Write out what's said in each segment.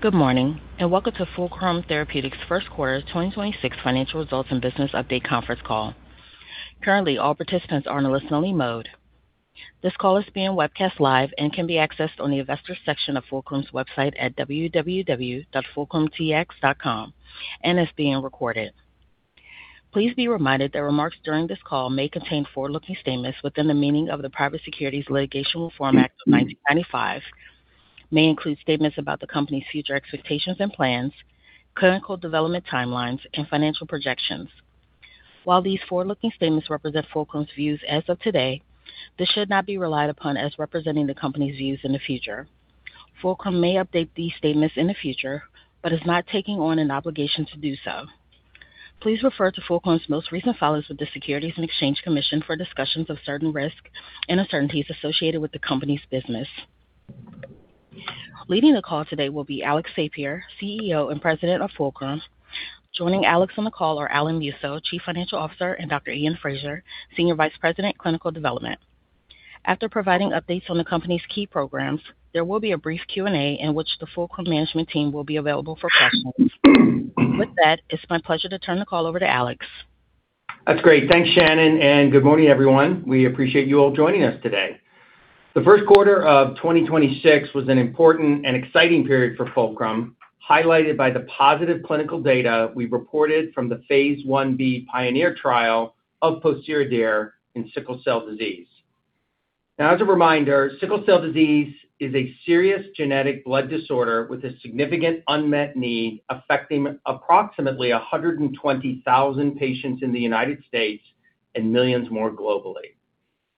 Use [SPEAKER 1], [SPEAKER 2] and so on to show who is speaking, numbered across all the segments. [SPEAKER 1] Good morning, and welcome to Fulcrum Therapeutics' first quarter 2026 financial results and business update conference call. Currently, all participants are in a listen-only mode. This call is being webcast live and can be accessed on the investors section of Fulcrum's website at www.fulcrumtx.com and is being recorded. Please be reminded that remarks during this call may contain forward-looking statements within the meaning of the Private Securities Litigation Reform Act of 1995, may include statements about the company's future expectations and plans, clinical development timelines and financial projections. While these forward-looking statements represent Fulcrum's views as of today, this should not be relied upon as representing the company's views in the future. Fulcrum may update these statements in the future, but is not taking on an obligation to do so. Please refer to Fulcrum's most recent filings with the Securities and Exchange Commission for discussions of certain risks and uncertainties associated with the company's business. Leading the call today will be Alex Sapir, CEO and President of Fulcrum. Joining Alex on the call are Alan Musso, Chief Financial Officer, and Dr. Iain Fraser, Senior Vice President, Clinical Development. After providing updates on the company's key programs, there will be a brief Q&A in which the Fulcrum management team will be available for questions. With that, it's my pleasure to turn the call over to Alex.
[SPEAKER 2] That's great. Thanks, Shannon, and good morning, everyone. We appreciate you all joining us today. The first quarter of 2026 was an important and exciting period for Fulcrum, highlighted by the positive clinical data we reported from the phase I-B PIONEER trial of pociredir in sickle cell disease. Now as a reminder, sickle cell disease is a serious genetic blood disorder with a significant unmet need, affecting approximately 120,000 patients in the United States and millions more globally.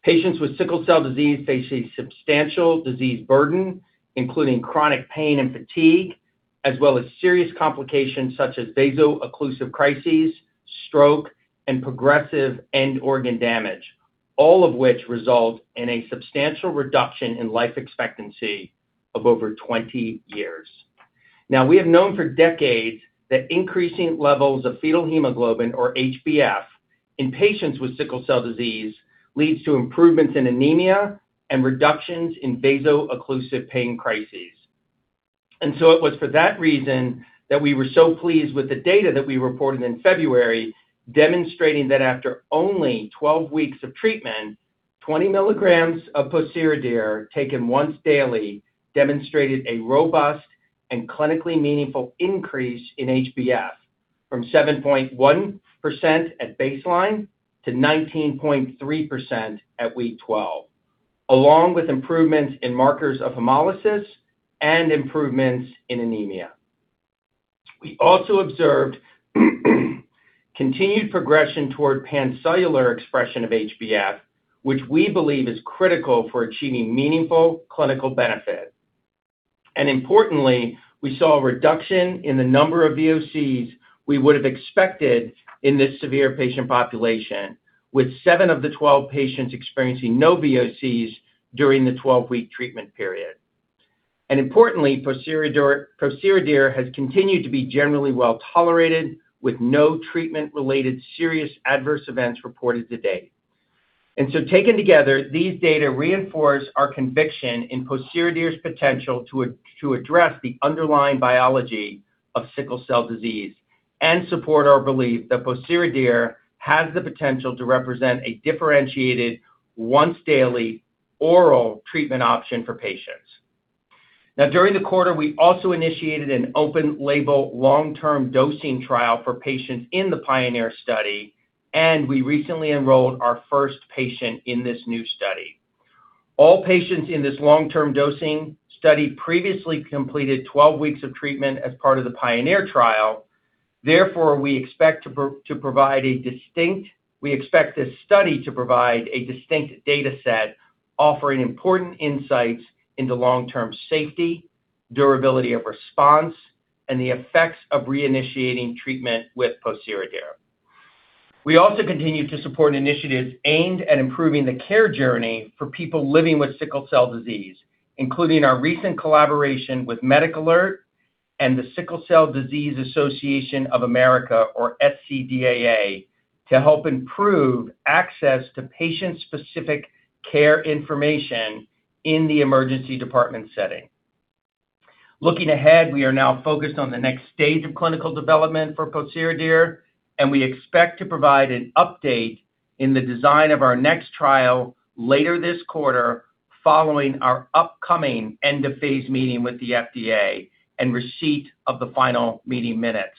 [SPEAKER 2] Patients with sickle cell disease face a substantial disease burden, including chronic pain and fatigue, as well as serious complications such as vaso-occlusive crises, stroke, and progressive end organ damage, all of which result in a substantial reduction in life expectancy of over 20 years. Now, we have known for decades that increasing levels of fetal hemoglobin or HbF in patients with sickle cell disease leads to improvements in anemia and reductions in vaso-occlusive pain crises. It was for that reason that we were so pleased with the data that we reported in February, demonstrating that after only 12 weeks of treatment, 20 mg of pociredir taken once daily demonstrated a robust and clinically meaningful increase in HbF from 7.1% at baseline to 19.3% at week 12, along with improvements in markers of hemolysis and improvements in anemia. We also observed continued progression toward pancellular expression of HbF, which we believe is critical for achieving meaningful clinical benefit. Importantly, we saw a reduction in the number of VOCs we would have expected in this severe patient population, with seven of the 12 patients experiencing no VOCs during the 12-week treatment period. Importantly, pociredir has continued to be generally well-tolerated, with no treatment-related serious adverse events reported to date. Taken together, these data reinforce our conviction in pociredir's potential to address the underlying biology of sickle cell disease and support our belief that pociredir has the potential to represent a differentiated once daily oral treatment option for patients. Now, during the quarter, we also initiated an open label long-term dosing trial for patients in the PIONEER study, and we recently enrolled our first patient in this new study. All patients in this long-term dosing study previously completed 12 weeks of treatment as part of the PIONEER trial. Therefore, we expect this study to provide a distinct data set offering important insights into long-term safety, durability of response, and the effects of reinitiating treatment with pociredir. We also continue to support initiatives aimed at improving the care journey for people living with sickle cell disease, including our recent collaboration with MedicAlert and the Sickle Cell Disease Association of America, or SCDAA, to help improve access to patient-specific care information in the emergency department setting. Looking ahead, we are now focused on the next stage of clinical development for pociredir, and we expect to provide an update in the design of our next trial later this quarter, following our upcoming end-of-phase meeting with the FDA and receipt of the final meeting minutes.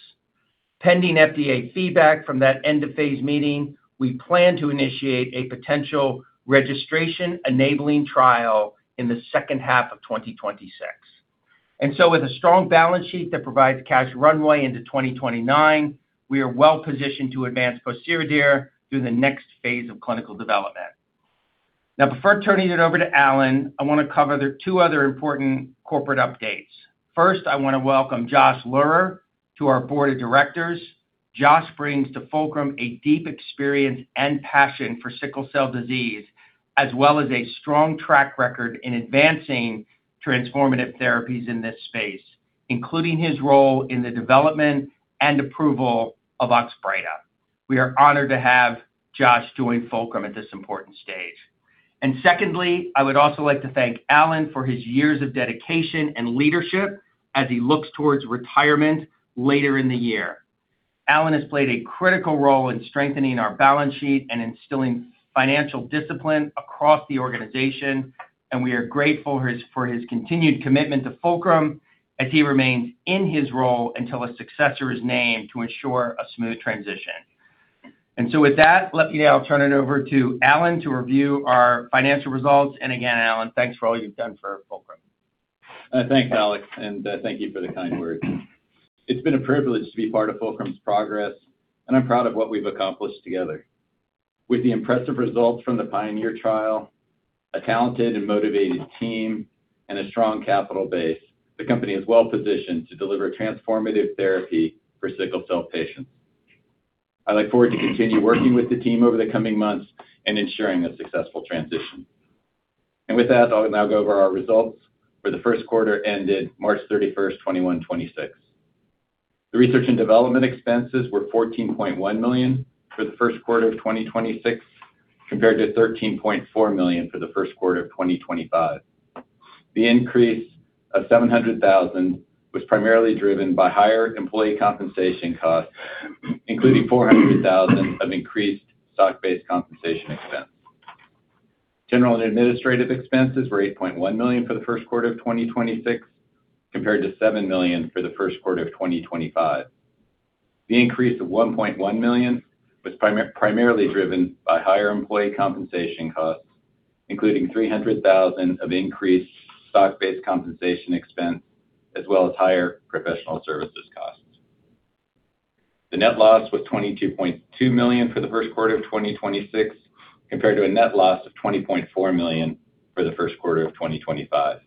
[SPEAKER 2] Pending FDA feedback from that end-of-phase meeting, we plan to initiate a potential registration-enabling trial in the second half of 2026. With a strong balance sheet that provides cash runway into 2029, we are well-positioned to advance pociredir through the next phase of clinical development. Now, before turning it over to Alan, I want to cover the two other important corporate updates. First, I want to welcome Josh Lehrer to our board of directors. Josh brings to Fulcrum a deep experience and passion for sickle cell disease, as well as a strong track record in advancing transformative therapies in this space, including his role in the development and approval of Oxbryta. We are honored to have Josh join Fulcrum at this important stage. Secondly, I would also like to thank Alan for his years of dedication and leadership as he looks towards retirement later in the year. Alan has played a critical role in strengthening our balance sheet and instilling financial discipline across the organization, and we are grateful for his continued commitment to Fulcrum as he remains in his role until a successor is named to ensure a smooth transition. With that, let me now turn it over to Alan to review our financial results. Again, Alan, thanks for all you've done for Fulcrum.
[SPEAKER 3] Thanks, Alex, and thank you for the kind words. It's been a privilege to be part of Fulcrum's progress, and I'm proud of what we've accomplished together. With the impressive results from the PIONEER trial, a talented and motivated team, and a strong capital base, the company is well-positioned to deliver transformative therapy for sickle cell patients. I look forward to continue working with the team over the coming months and ensuring a successful transition. With that, I'll now go over our results for the first quarter ended March 3+1st, 2026. The research and development expenses were $14.1 million for the first quarter of 2026, compared to $13.4 million for the first quarter of 2025. The increase of $700,000 was primarily driven by higher employee compensation costs, including $400,000 of increased stock-based compensation expense. General and administrative expenses were $8.1 million for the first quarter of 2026, compared to $7 million for the first quarter of 2025. The increase of $1.1 million was primarily driven by higher employee compensation costs, including $300,000 of increased stock-based compensation expense, as well as higher professional services costs. The net loss was $22.2 million for the first quarter of 2026, compared to a net loss of $20.4 million for the first quarter of 2025.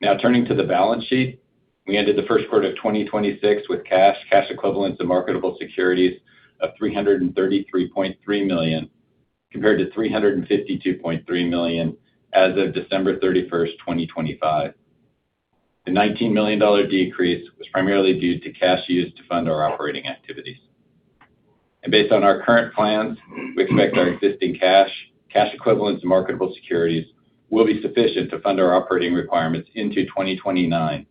[SPEAKER 3] Now turning to the balance sheet. We ended the first quarter of 2026 with cash equivalents, and marketable securities of $333.3 million, compared to $352.3 million as of December 31st, 2025. The $19 million decrease was primarily due to cash used to fund our operating activities. Based on our current plans, we expect our existing cash equivalents, and marketable securities will be sufficient to fund our operating requirements into 2029,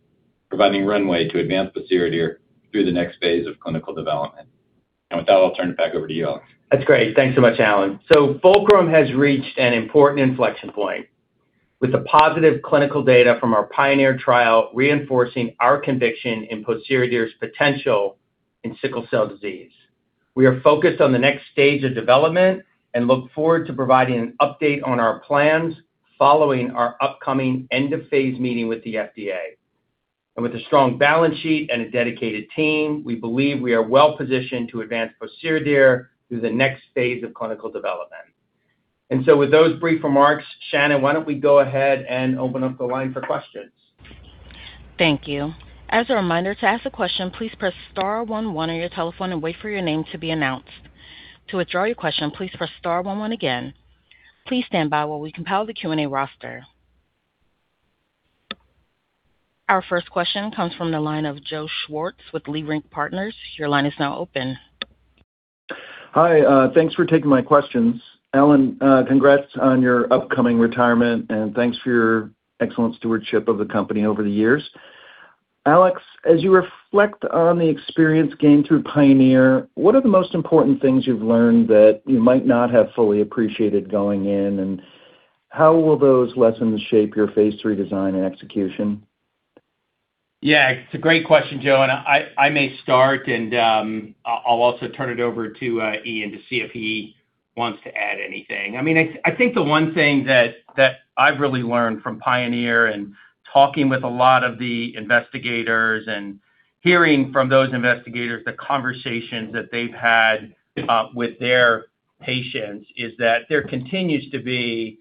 [SPEAKER 3] providing runway to advance pociredir through the next phase of clinical development. With that, I'll turn it back over to you, Alex.
[SPEAKER 2] That's great. Thanks so much, Alan. Fulcrum has reached an important inflection point with the positive clinical data from our PIONEER trial reinforcing our conviction in pociredir's potential in sickle cell disease. We are focused on the next stage of development and look forward to providing an update on our plans following our upcoming end-of-phase meeting with the FDA. With a strong balance sheet and a dedicated team, we believe we are well-positioned to advance pociredir through the next phase of clinical development. With those brief remarks, Shannon, why don't we go ahead and open up the line for questions?
[SPEAKER 1] Thank you. As a reminder, to ask a question, please press star one one on your telephone and wait for your name to be announced. To withdraw your question, please press star one one again. Please stand by while we compile the Q&A roster. Our first question comes from the line of Joe Schwartz with Leerink Partners. Your line is now open.
[SPEAKER 4] Hi. Thanks for taking my questions. Alan, congrats on your upcoming retirement, and thanks for your excellent stewardship of the company over the years. Alex, as you reflect on the experience gained through PIONEER, what are the most important things you've learned that you might not have fully appreciated going in, and how will those lessons shape your phase III design and execution?
[SPEAKER 2] Yeah. It's a great question, Joe, and I may start and I'll also turn it over to Iain to see if he wants to add anything. I mean, I think the one thing that I've really learned from PIONEER and talking with a lot of the investigators and hearing from those investigators the conversations that they've had with their patients is that there continues to be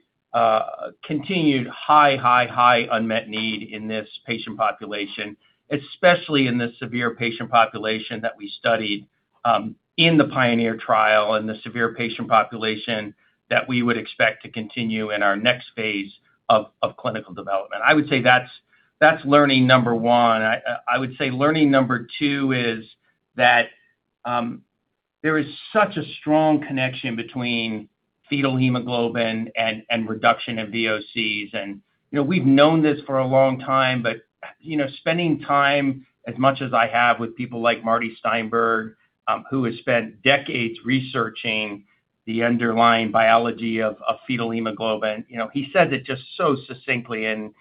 [SPEAKER 2] continued high high, high, unmet need in this patient population, especially in the severe patient population that we studied in the PIONEER trial and the severe patient population that we would expect to continue in our next phase of clinical development. I would say that's learning number one. I would say learning number two is that there is such a strong connection between fetal hemoglobin and reduction of VOCs. You know, we've known this for a long time, but you know, spending time as much as I have with people like Martin Steinberg, who has spent decades researching the underlying biology of fetal hemoglobin, you know, he says it just so succinctly and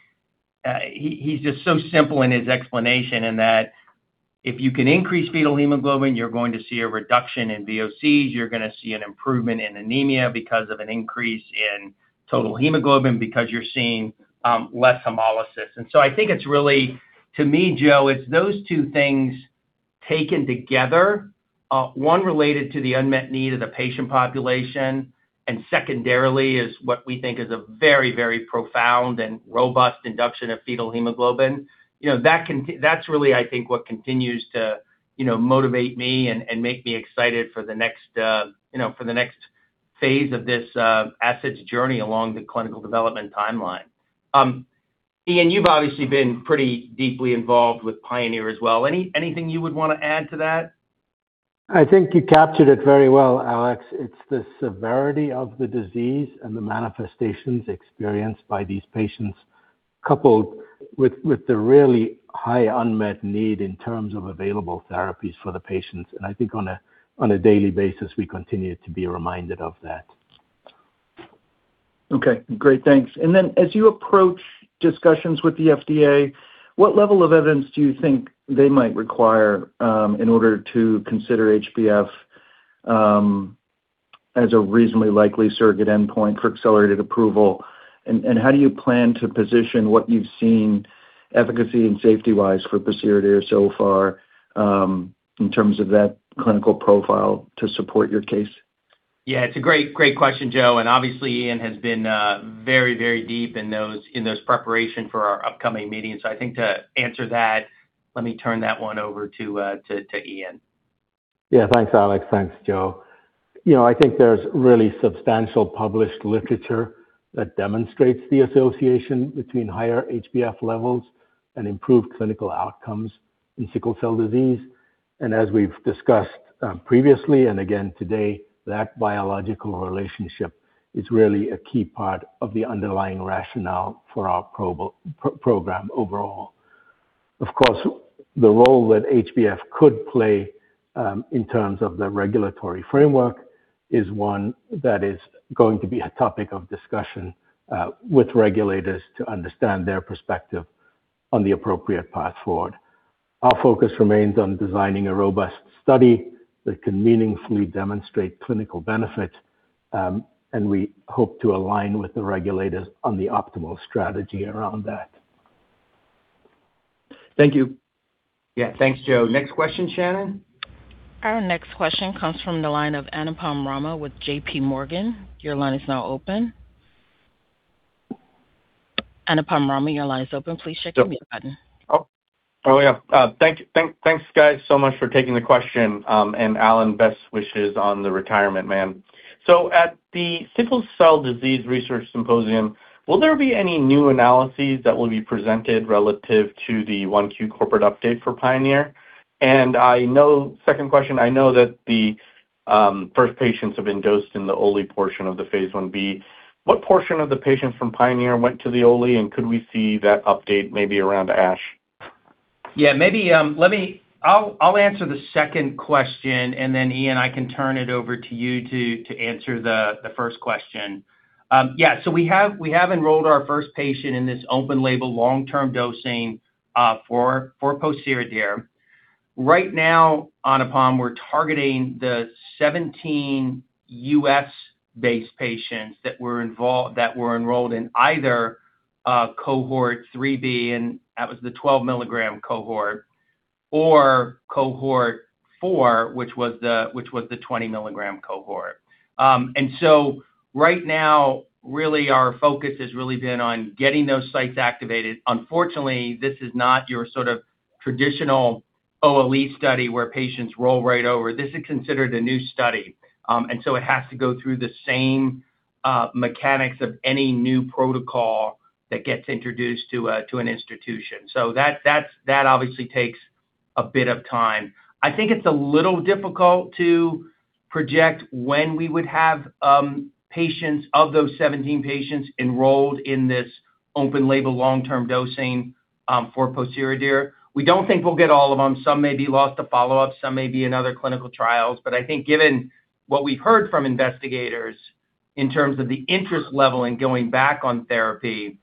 [SPEAKER 2] he's just so simple in his explanation in that if you can increase fetal hemoglobin, you're going to see a reduction in VOCs, you're gonna see an improvement in anemia because of an increase in total hemoglobin because you're seeing less hemolysis. I think it's really, to me, Joe, it's those two things taken together, one related to the unmet need of the patient population, and secondarily is what we think is a very, very profound and robust induction of fetal hemoglobin. You know, that's really, I think, what continues to, you know, motivate me and make me excited for the next, you know, for the next phase of this asset's journey along the clinical development timeline. Iain, you've obviously been pretty deeply involved with PIONEER as well. Anything you would wanna add to that?
[SPEAKER 5] I think you captured it very well, Alex. It's the severity of the disease and the manifestations experienced by these patients, coupled with the really high unmet need in terms of available therapies for the patients. I think on a daily basis, we continue to be reminded of that.
[SPEAKER 4] Okay, great. Thanks. Then as you approach discussions with the FDA, what level of evidence do you think they might require in order to consider HbF as a reasonably likely surrogate endpoint for accelerated approval? How do you plan to position what you've seen efficacy and safety-wise for pociredir so far in terms of that clinical profile to support your case?
[SPEAKER 2] Yeah, it's a great question, Joe. Obviously, Iain has been very deep in those, in this preparation for our upcoming meeting. I think to answer that, let me turn that one over to Iain.
[SPEAKER 5] Yeah. Thanks, Alex. Thanks, Joe. You know, I think there's really substantial published literature that demonstrates the association between higher HbF levels and improved clinical outcomes in sickle cell disease. As we've discussed, previously and again today, that biological relationship is really a key part of the underlying rationale for our program overall. Of course, the role that HbF could play in terms of the regulatory framework is one that is going to be a topic of discussion with regulators to understand their perspective on the appropriate path forward. Our focus remains on designing a robust study that can meaningfully demonstrate clinical benefit, and we hope to align with the regulators on the optimal strategy around that.
[SPEAKER 4] Thank you.
[SPEAKER 2] Yeah. Thanks, Joe. Next question, Shannon.
[SPEAKER 1] Our next question comes from the line of Anupam Rama with JPMorgan. Your line is now open. Anupam Rama, your line is open. Please check your mute button.
[SPEAKER 6] Thanks, guys, so much for taking the question. Alan, best wishes on the retirement, man. At the Sickle Cell Disease Research Symposium, will there be any new analyses that will be presented relative to the 1Q corporate update for PIONEER? Second question, I know that the first patients have been dosed in the OLE portion of the phase I-B. What portion of the patients from PIONEER went to the OLE, and could we see that update maybe around ASH?
[SPEAKER 2] Yeah, maybe let me, I'll answer the second question, and then Iain, I can turn it over to you to answer the first question. We have enrolled our first patient in this open-label long-term dosing for pociredir. Right now, Anupam, we're targeting the 17 U.S.-based patients that were enrolled in either cohort 3B, and that was the 12-mg cohort, or cohort 4, which was the 20-mg cohort. Right now, our focus has really been on getting those sites activated. Unfortunately, this is not your sort of traditional OLE study where patients roll right over. This is considered a new study, it has to go through the same mechanics of any new protocol that gets introduced to an institution. That obviously takes a bit of time. I think it's a little difficult to project when we would have patients, of those 17 patients, enrolled in this open-label long-term dosing for pociredir. We don't think we'll get all of them. Some may be lost to follow-up, some may be in other clinical trials. I think given what we've heard from investigators in terms of the interest level in going back on therapy,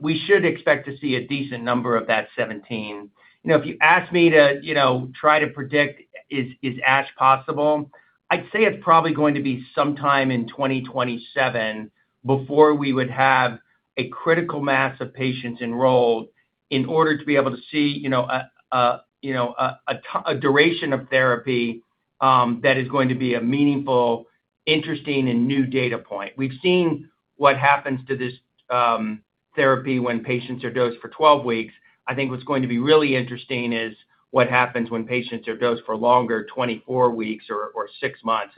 [SPEAKER 2] we should expect to see a decent number of that 17. You know, if you ask me to try to predict is ASH possible, I'd say it's probably going to be sometime in 2027 before we would have a critical mass of patients enrolled in order to be able to see a duration of therapy that is going to be a meaningful, interesting, and new data point. We've seen what happens to this therapy when patients are dosed for 12 weeks. I think what's going to be really interesting is what happens when patients are dosed for longer, 24 weeks or 6 months.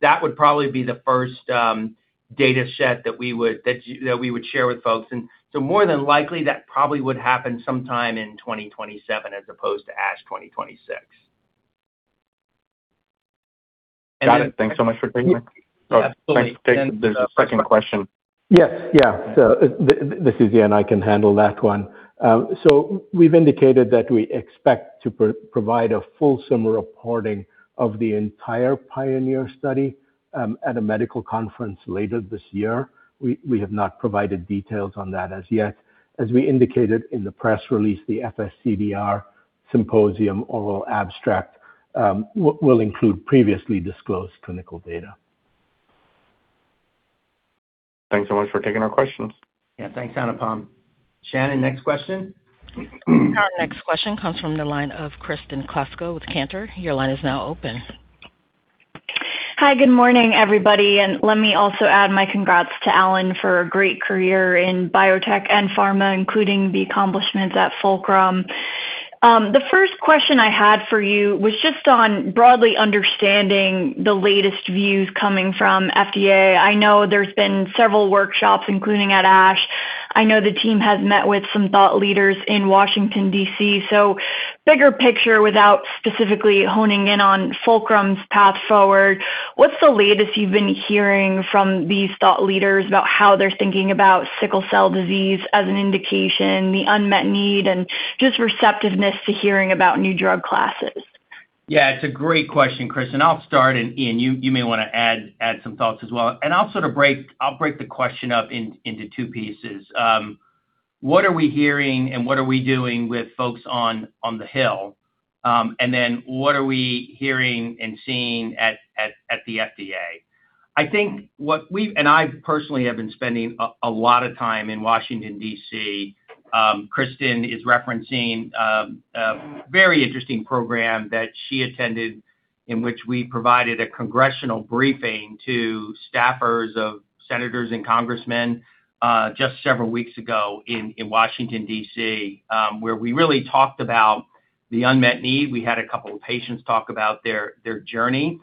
[SPEAKER 2] That would probably be the first dataset that we would share with folks. More than likely, that probably would happen sometime in 2027 as opposed to ASH 2026.
[SPEAKER 6] Got it. Thanks so much for taking my-
[SPEAKER 2] Yeah, absolutely.
[SPEAKER 6] Oh, thanks for taking the second question.
[SPEAKER 5] Yes. Yeah. This is Iain. I can handle that one. We've indicated that we expect to provide a full summary reporting of the entire PIONEER study at a medical conference later this year. We have not provided details on that as yet. As we indicated in the press release, the FSCDR symposium oral abstract will include previously disclosed clinical data.
[SPEAKER 6] Thanks so much for taking our questions.
[SPEAKER 2] Yeah. Thanks, Anupam. Shannon, next question.
[SPEAKER 1] Our next question comes from the line of Kristen Kluska with Cantor. Your line is now open.
[SPEAKER 7] Hi. Good morning, everybody, and let me also add my congrats to Alan for a great career in biotech and pharma, including the accomplishments at Fulcrum. The first question I had for you was just on broadly understanding the latest views coming from FDA. I know there's been several workshops, including at ASH. I know the team has met with some thought leaders in Washington, D.C. Bigger picture, without specifically honing in on Fulcrum's path forward, what's the latest you've been hearing from these thought leaders about how they're thinking about sickle cell disease as an indication, the unmet need, and just receptiveness to hearing about new drug classes?
[SPEAKER 2] Yeah, it's a great question, Kristen. I'll start, and Iain, you may wanna add some thoughts as well. I'll sort of break the question up into two pieces. What are we hearing and what are we doing with folks on the Hill? What are we hearing and seeing at the FDA? I think what we've and I personally have been spending a lot of time in Washington, D.C. Kristen is referencing a very interesting program that she attended in which we provided a congressional briefing to staffers of senators and congressmen just several weeks ago in Washington, D.C., where we really talked about the unmet need. We had a couple of patients talk about their journey.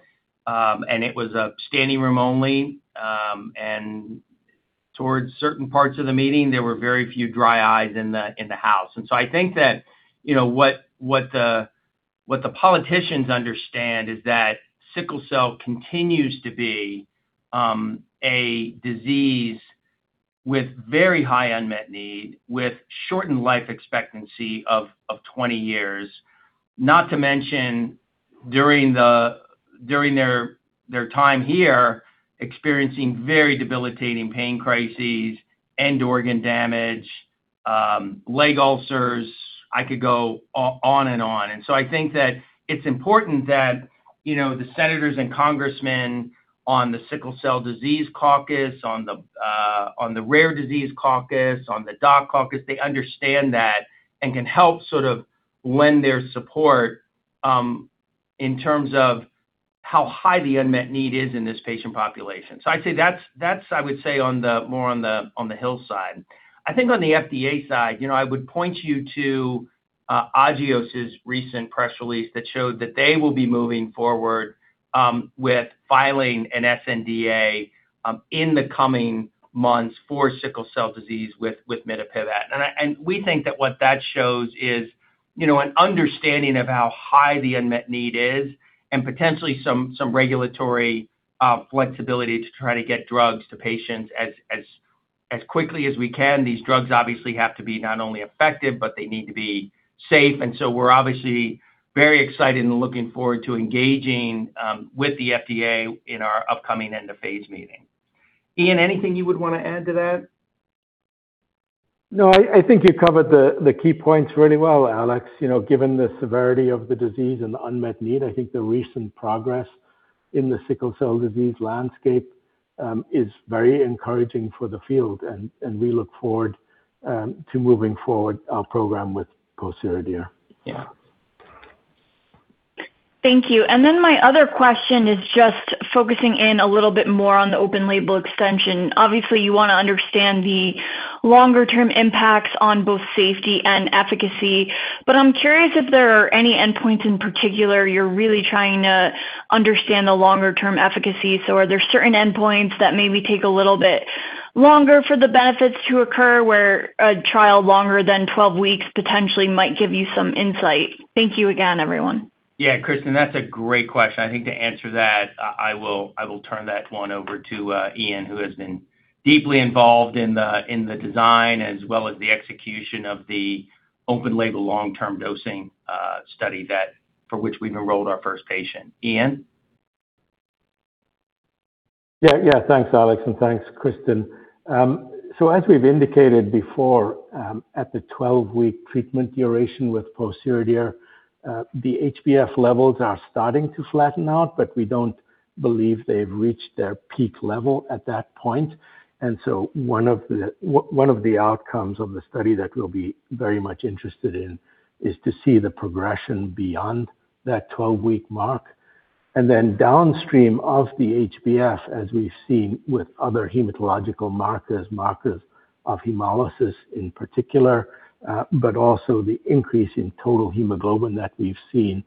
[SPEAKER 2] It was standing room only, and towards certain parts of the meeting, there were very few dry eyes in the house. I think that, you know, what the politicians understand is that sickle cell continues to be a disease with very high unmet need, with shortened life expectancy of 20 years. Not to mention, during their time here, experiencing very debilitating pain crises, end organ damage, leg ulcers. I could go on and on. I think that it's important that, you know, the senators and congressmen on the Sickle Cell Disease Caucus, on the Rare Disease Caucus, on the Doc Caucus, they understand that and can help sort of lend their support in terms of how high the unmet need is in this patient population. I'd say that's on the Hill side. I think on the FDA side, you know, I would point you to Agios' recent press release that showed that they will be moving forward with filing an sNDA in the coming months for sickle cell disease with mitapivat. We think that what that shows is, you know, an understanding of how high the unmet need is and potentially some regulatory flexibility to try to get drugs to patients as quickly as we can. These drugs obviously have to be not only effective, but they need to be safe. We're obviously very excited and looking forward to engaging with the FDA in our upcoming end-of-phase meeting. Iain, anything you would wanna add to that?
[SPEAKER 5] No, I think you covered the key points really well, Alex. You know, given the severity of the disease and the unmet need, I think the recent progress in the sickle cell disease landscape is very encouraging for the field, and we look forward to moving forward our program with pociredir. Yeah.
[SPEAKER 7] Thank you. My other question is just focusing in a little bit more on the open-label extension. Obviously, you wanna understand the longer term impacts on both safety and efficacy, but I'm curious if there are any endpoints in particular you're really trying to understand the longer term efficacy. Are there certain endpoints that maybe take a little bit longer for the benefits to occur, where a trial longer than 12 weeks potentially might give you some insight? Thank you again, everyone.
[SPEAKER 2] Yeah, Kristen, that's a great question. I think to answer that, I will turn that one over to Iain, who has been deeply involved in the design as well as the execution of the open-label long-term dosing study that for which we've enrolled our first patient. Iain?
[SPEAKER 5] Yeah, yeah, thanks, Alex, and thanks, Kristen. As we've indicated before, at the 12-week treatment duration with pociredir, the HbF levels are starting to flatten out, but we don't believe they've reached their peak level at that point. One of the outcomes of the study that we'll be very much interested in is to see the progression beyond that 12-week mark. Downstream of the HbF, as we've seen with other hematological markers of hemolysis in particular, but also the increase in total hemoglobin that we've seen,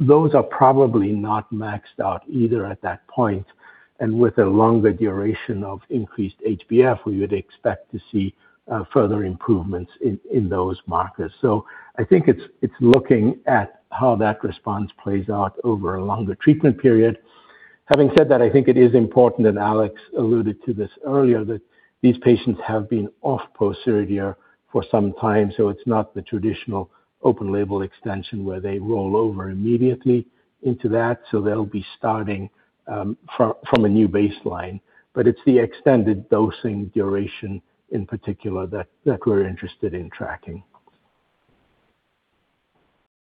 [SPEAKER 5] those are probably not maxed out either at that point. With a longer duration of increased HbF, we would expect to see further improvements in those markers. I think it's looking at how that response plays out over a longer treatment period. Having said that, I think it is important, and Alex alluded to this earlier, that these patients have been off pociredir for some time, so it's not the traditional open label extension where they roll over immediately into that. They'll be starting from a new baseline. It's the extended dosing duration in particular that we're interested in tracking.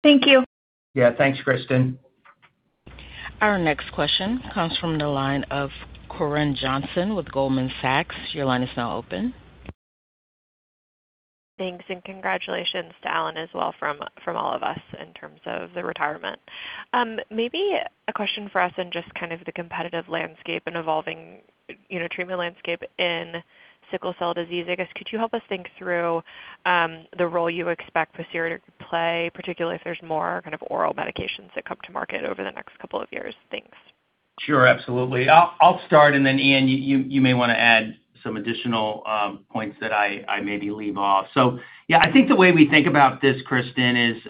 [SPEAKER 7] Thank you.
[SPEAKER 2] Yeah. Thanks, Kristen.
[SPEAKER 1] Our next question comes from the line of Corinne Johnson with Goldman Sachs. Your line is now open.
[SPEAKER 8] Thanks, and congratulations to Alan as well from all of us in terms of the retirement. Maybe a question for us in just kind of the competitive landscape and evolving, you know, treatment landscape in sickle cell disease. I guess, could you help us think through the role you expect pociredir to play, particularly if there's more kind of oral medications that come to market over the next couple of years? Thanks.
[SPEAKER 2] Sure, absolutely. I'll start, and then Iain, you may wanna add some additional points that I maybe leave off. Yeah, I think the way we think about this, Kristen, is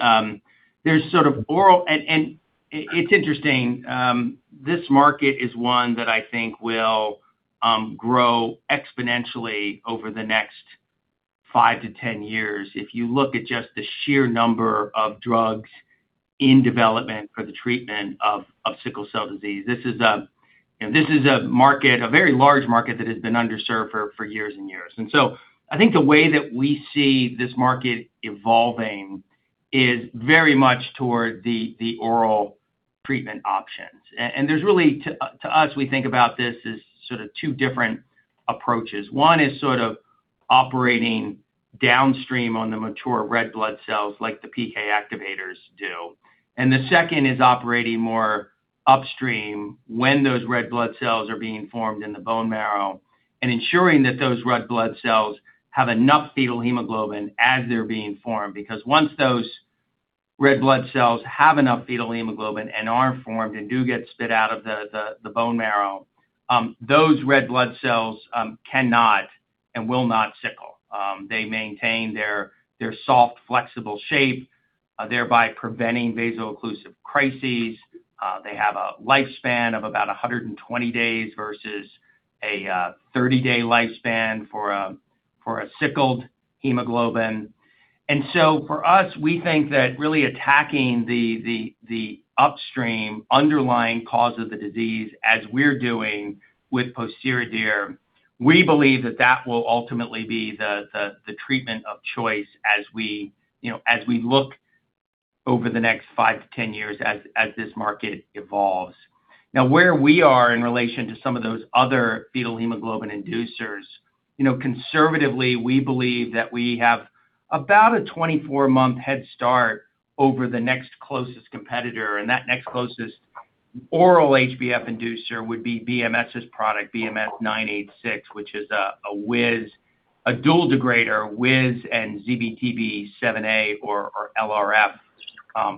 [SPEAKER 2] there is sort of. It's interesting, this market is one that I think will grow exponentially over the next five to 10 years if you look at just the sheer number of drugs in development for the treatment of sickle cell disease. This is a market, a very large market that has been underserved for years and years. I think the way that we see this market evolving is very much toward the oral treatment options. There's really, to us, we think about this as sort of two different approaches. One is sort of operating downstream on the mature red blood cells, like the PK activators do. The second is operating more upstream when those red blood cells are being formed in the bone marrow and ensuring that those red blood cells have enough fetal hemoglobin as they're being formed, because once those red blood cells have enough fetal hemoglobin and are formed and do get spit out of the bone marrow, those red blood cells cannot and will not sickle. They maintain their soft, flexible shape, thereby preventing vaso-occlusive crises. They have a lifespan of about 120 days versus a 30-day lifespan for a sickled hemoglobin. For us, we think that really attacking the upstream underlying cause of the disease, as we're doing with pociredir, we believe that will ultimately be the treatment of choice as we look over the next five to 10 years as this market evolves. Now, where we are in relation to some of those other fetal hemoglobin inducers, conservatively, we believe that we have about a 24-month head start over the next closest competitor, and that next closest oral HbF inducer would be BMS's product, BMS-986, which is a WIZ dual degrader, WIZ and ZBTB7A or LRF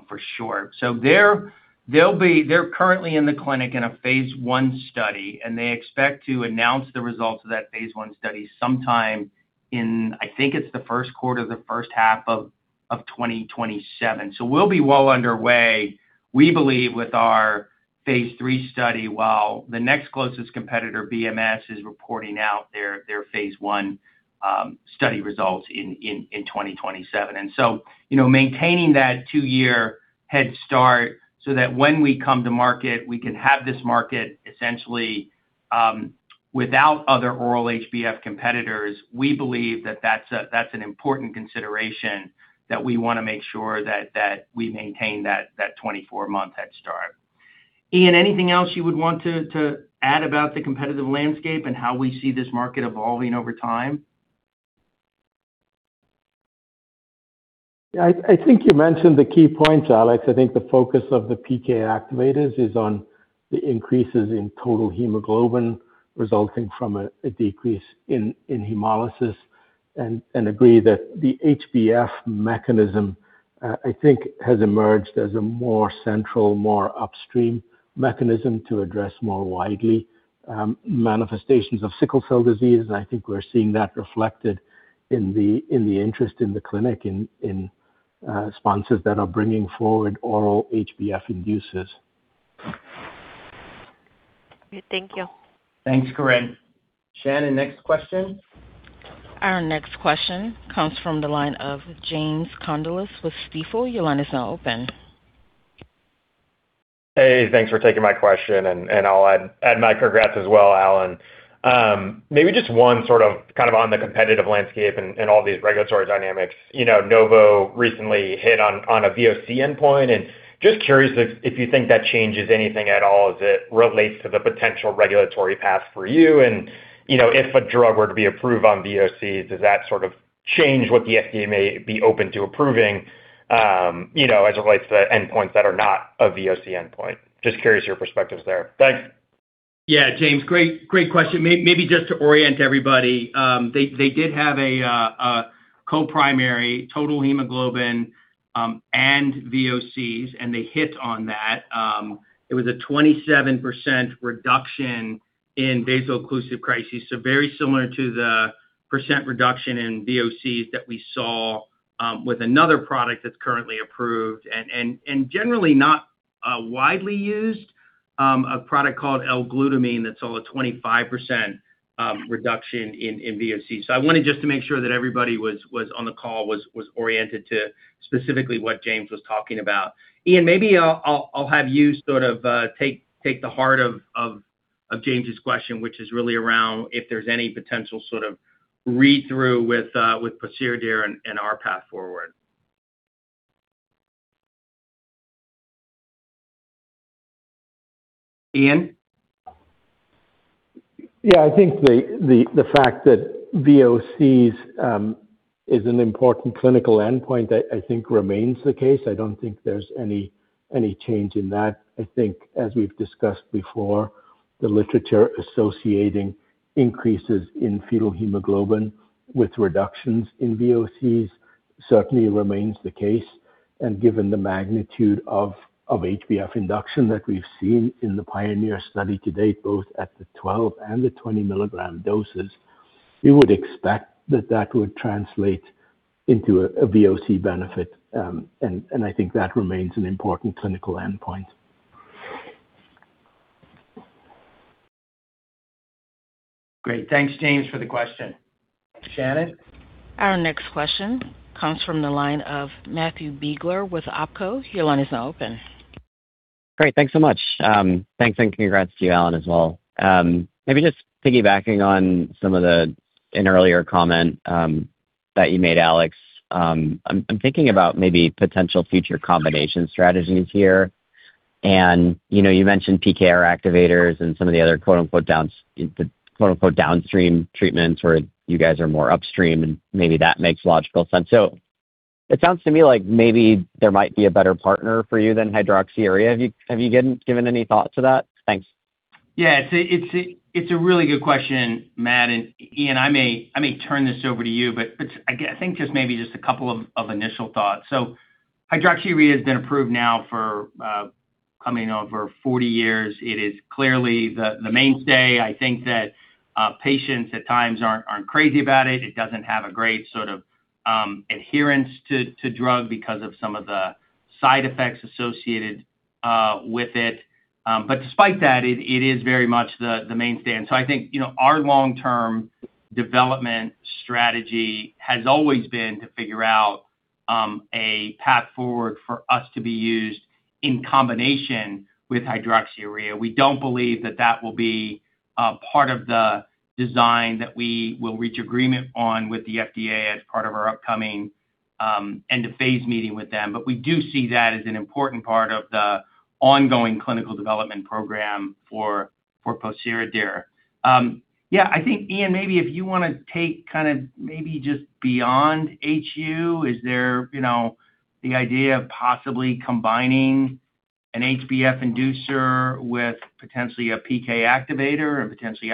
[SPEAKER 2] for short. They're currently in the clinic in a phase I study, and they expect to announce the results of that phase I study sometime in, I think, it's the first quarter or the first half of 2027. We'll be well underway, we believe, with our phase III study, while the next closest competitor, BMS, is reporting out their phase I study results in 2027. You know, maintaining that two-year head start so that when we come to market, we can have this market essentially without other oral HbF competitors. We believe that that's an important consideration that we wanna make sure that we maintain that 24-month head start. Iain, anything else you would want to add about the competitive landscape and how we see this market evolving over time?
[SPEAKER 5] Yeah. I think you mentioned the key points, Alex. I think the focus of the PK activators is on the increases in total hemoglobin resulting from a decrease in hemolysis. I agree that the HbF mechanism, I think, has emerged as a more central, more upstream mechanism to address more widely manifestations of sickle cell disease. I think we're seeing that reflected in the interest in the clinic in sponsors that are bringing forward oral HbF inducers.
[SPEAKER 8] Thank you.
[SPEAKER 2] Thanks, Corinne. Shannon, next question.
[SPEAKER 1] Our next question comes from the line of James Condulis with Stifel. Your line is now open.
[SPEAKER 9] Hey, thanks for taking my question, and I'll add my congrats as well, Alan. Maybe just one sort of, kind of on the competitive landscape and all these regulatory dynamics. You know, Novo recently hit on a VOC endpoint. Just curious if you think that changes anything at all as it relates to the potential regulatory path for you. You know, if a drug were to be approved on VOC, does that sort of change what the FDA may be open to approving, you know, as it relates to the endpoints that are not a VOC endpoint? Just curious your perspectives there. Thanks.
[SPEAKER 2] Yeah. James, great question. Maybe just to orient everybody, they did have a co-primary total hemoglobin and VOCs, and they hit on that. It was a 27% reduction in vaso-occlusive crises, so very similar to the percent reduction in VOCs that we saw with another product that's currently approved and generally not widely used, a product called L-glutamine that saw a 25% reduction in VOCs. I wanted just to make sure that everybody on the call was oriented to specifically what James was talking about. Iain, maybe I'll have you sort of take the heart of James' question, which is really around if there's any potential sort of read-through with pociredir and our path forward. Iain?
[SPEAKER 5] Yeah. I think the fact that VOCs is an important clinical endpoint, I think remains the case. I don't think there's any change in that. I think, as we've discussed before, the literature associating increases in fetal hemoglobin with reductions in VOCs certainly remains the case. Given the magnitude of HbF induction that we've seen in the PIONEER study to date, both at the 12 and the 20 milligram doses, we would expect that would translate into a VOC benefit. I think that remains an important clinical endpoint.
[SPEAKER 2] Great. Thanks, James, for the question. Shannon?
[SPEAKER 1] Our next question comes from the line of Matthew Biegler with Oppenheimer & Co. Your line is now open.
[SPEAKER 10] Great. Thanks so much. Thanks, and congrats to you, Alan, as well. Maybe just piggybacking on some of an earlier comment that you made, Alex. I'm thinking about maybe potential future combination strategies here. You know, you mentioned PK activators and some of the other quote-unquote downstream treatments where you guys are more upstream, and maybe that makes logical sense. It sounds to me like maybe there might be a better partner for you than hydroxyurea. Have you given any thought to that? Thanks.
[SPEAKER 2] Yeah, it's a really good question, Matt. Iain, I may turn this over to you, but I think just maybe a couple of initial thoughts. Hydroxyurea has been approved now for coming over 40 years. It is clearly the mainstay. I think that patients at times aren't crazy about it. It doesn't have a great sort of adherence to drug because of some of the side effects associated with it. But despite that, it is very much the mainstay. I think, you know, our long-term development strategy has always been to figure out a path forward for us to be used in combination with hydroxyurea. We don't believe that will be part of the design that we will reach agreement on with the FDA as part of our upcoming end-of-phase meeting with them. We do see that as an important part of the ongoing clinical development program for pociredir. I think, Iain, maybe if you wanna take kinda maybe just beyond HU, is there, you know, the idea of possibly combining an HbF inducer with potentially a PK activator or potentially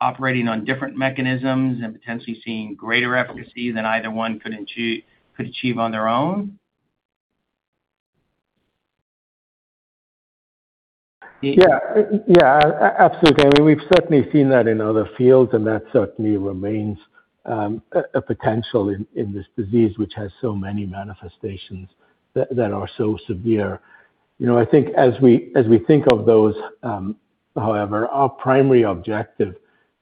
[SPEAKER 2] operating on different mechanisms and potentially seeing greater efficacy than either one could achieve on their own? Iain
[SPEAKER 5] Yeah. Yeah, absolutely. I mean, we've certainly seen that in other fields, and that certainly remains a potential in this disease, which has so many manifestations that are so severe. You know, I think as we think of those, however, our primary objective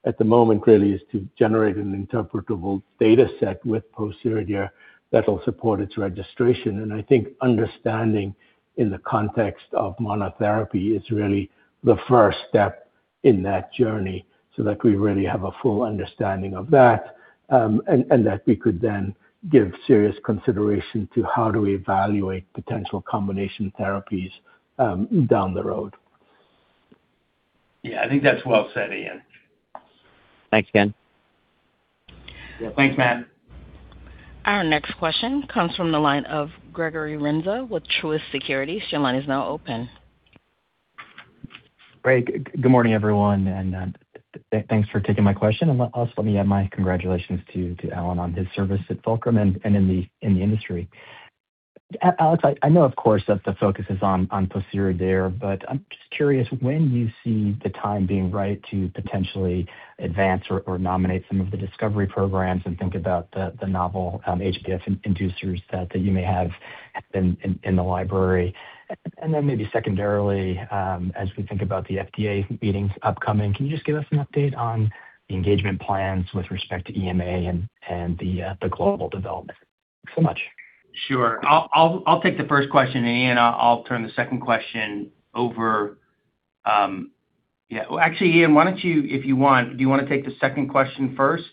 [SPEAKER 5] at the moment really is to generate an interpretable data set with pociredir that will support its registration. I think understanding in the context of monotherapy is really the first step in that journey so that we really have a full understanding of that, and that we could then give serious consideration to how do we evaluate potential combination therapies down the road.
[SPEAKER 2] Yeah, I think that's well said, Iain.
[SPEAKER 10] Thanks again.
[SPEAKER 2] Yeah. Thanks, Matt.
[SPEAKER 1] Our next question comes from the line of Gregory Renza with Truist Securities. Your line is now open.
[SPEAKER 11] Great. Good morning, everyone, and thanks for taking my question. Also let me add my congratulations to Alan on his service at Fulcrum and in the industry. Alex, I know of course that the focus is on pociredir, but I'm just curious when you see the time being right to potentially advance or nominate some of the discovery programs and think about the novel HbF inducers that you may have in the library. Then maybe secondarily, as we think about the FDA meetings upcoming, can you just give us an update on the engagement plans with respect to EMA and the global development? Thanks so much.
[SPEAKER 2] Sure. I'll take the first question, and Iain I'll turn the second question over. Yeah. Well, actually, Iain, why don't you, if you want, do you wanna take the second question first?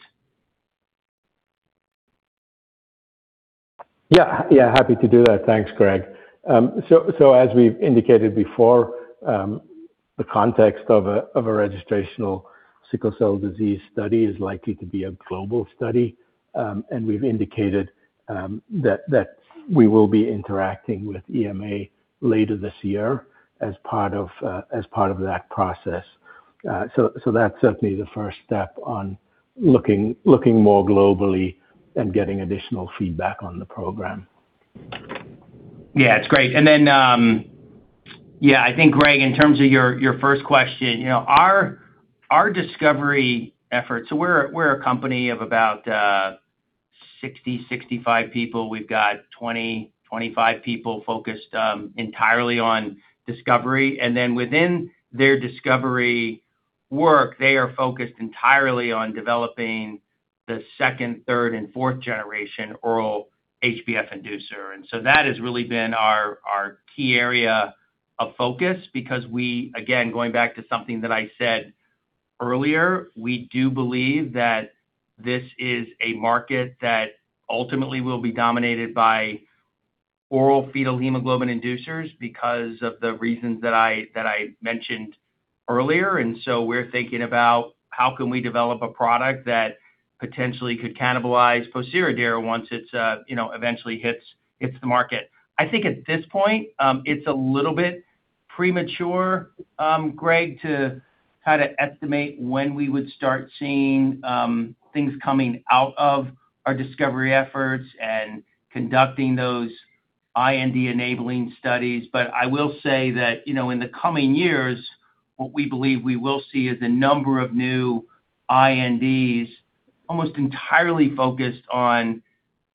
[SPEAKER 5] Yeah. Yeah, happy to do that. Thanks, Greg. As we've indicated before, the context of a registrational sickle cell disease study is likely to be a global study. We've indicated that we will be interacting with EMA later this year as part of that process. That's certainly the first step in looking more globally and getting additional feedback on the program.
[SPEAKER 2] Yeah, it's great. I think, Greg, in terms of your first question, you know, our discovery efforts, we're a company of about 60, 65 people. We've got 20, 25 people focused entirely on discovery. Within their discovery work, they are focused entirely on developing the second, third, and fourth generation oral HbF inducer. That has really been our key area of focus because we, again, going back to something that I said earlier, we do believe that this is a market that ultimately will be dominated by oral fetal hemoglobin inducers because of the reasons that I mentioned earlier. We're thinking about how can we develop a product that potentially could cannibalize pociredir once it, you know, eventually hits the market. I think at this point, it's a little bit premature, Greg, to kinda estimate when we would start seeing things coming out of our discovery efforts and conducting those IND-enabling studies. I will say that, you know, in the coming years, what we believe we will see is a number of new INDs almost entirely focused on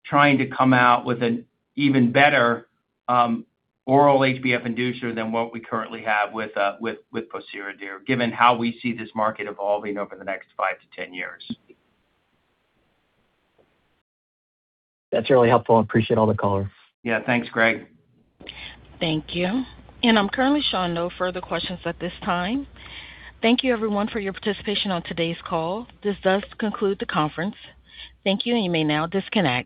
[SPEAKER 2] trying to come out with an even better oral HbF inducer than what we currently have with pociredir, given how we see this market evolving over the next five-10 years.
[SPEAKER 11] That's really helpful. I appreciate all the color.
[SPEAKER 2] Yeah. Thanks, Greg.
[SPEAKER 1] Thank you. I'm currently showing no further questions at this time. Thank you, everyone, for your participation on today's call. This does conclude the conference. Thank you, and you may now disconnect.